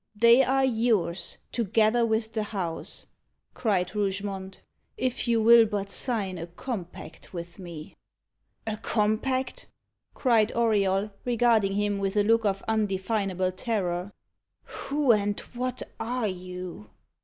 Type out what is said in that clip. "They are yours, together with the house," cried Rougemont, "if you will but sign a compact with me." "A compact!" cried Auriol, regarding him with a look of undefinable terror. "Who and what are you?"